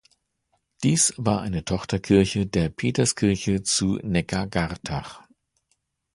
Diese war eine Tochterkirche der Peterskirche zu Neckargartach.